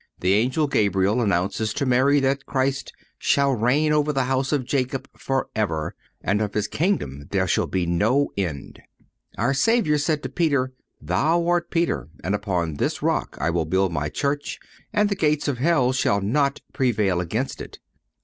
The Angel Gabriel announces to Mary that Christ "shall reign over the house of Jacob forever, and of his kingdom there shall be no end."(101) Our Savior said to Peter: "Thou art Peter, and upon this rock I will build My Church, and the gates of hell shall not prevail against it."